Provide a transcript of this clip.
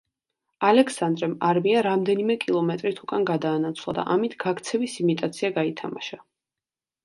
ალექსანდრემ არმია რამდენიმე კილომეტრით უკან გადაანაცვლა და ამით გაქცევის იმიტაცია გაითამაშა.